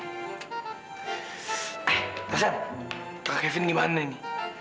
eh tersen kak kevin gimana ini